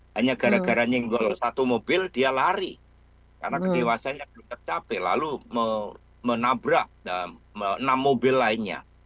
hanya gara gara nyenggol satu mobil dia lari karena kedewasanya belum tercapai lalu menabrak enam mobil lainnya